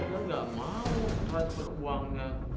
mereka gak mau transfer uangnya